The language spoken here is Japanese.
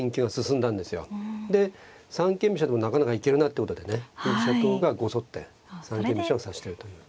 で三間飛車でもなかなかいけるなってことでね振り飛車党がこぞって三間飛車を指してるという。